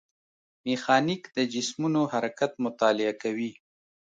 میخانیک د جسمونو حرکت مطالعه کوي.